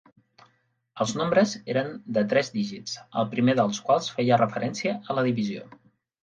Els nombres eren de tres dígits, el primer dels quals feia referència a la divisió.